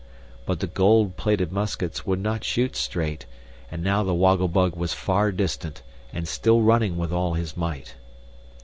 But the gold plated muskets would not shoot straight, and now the Woggle Bug was far distant, and still running with all his might.